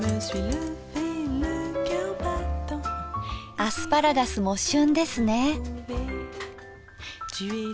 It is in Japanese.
アスパラガスも旬ですね。